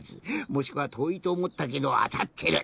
もしくはとおいとおもったけどあたってる。